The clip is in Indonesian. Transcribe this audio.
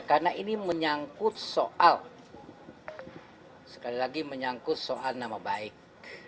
karena ini menyangkut soal sekali lagi menyangkut soal nama baik